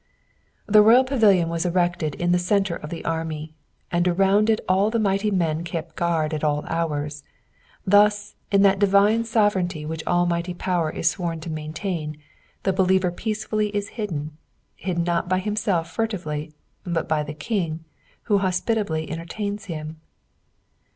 The royal pavilion was erected in the centre of the army, and around it all the mighty men kept guard at all hours ; thus in that divine sovereignty which almiKhty power is sworn to maintain, the believer peacefully is hidden, hidden not hy himself furtively, but by the king, who hospitsbly entertains him.